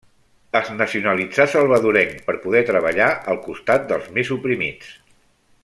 Es nacionalitzà salvadorenc per poder treballar al costat dels més oprimits.